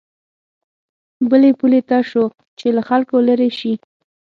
بلې پولې ته شو چې له خلکو لېرې شي.